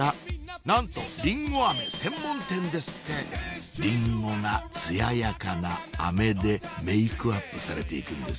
なんとりんご飴専門店ですってりんごがつややかな飴でメークアップされていくんですよ